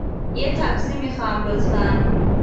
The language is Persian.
یه تاکسی می خواهم، لطفاً.